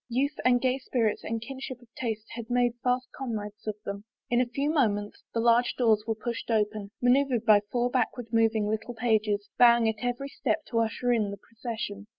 Youth and gay spirits and a kinship of tastes had made fast comrades of them. In a few moments the large doors were pushed open, maneuvered by four backward moving little pages, bow ing at every step to usher in the procession.